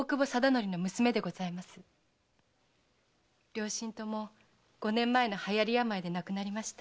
両親とも五年前の流行病で亡くなりました。